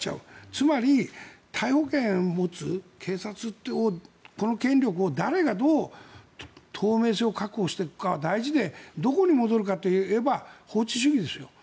つまり、逮捕権を持つ警察の権力の透明性を誰がどう確保していくかは大事でどこに戻るかといえば法治主義ですよ。